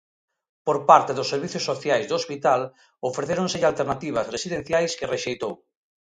Por parte dos servizos sociais do hospital ofrecéronselle alternativas residenciais que rexeitou.